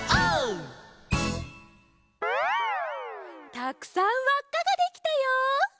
たくさんわっかができたよ！